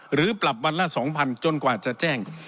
หรือปรับวันละ๒๐๐๐จนกว่าจะแจ้ง